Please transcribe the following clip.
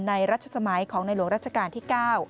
รัชสมัยของในหลวงรัชกาลที่๙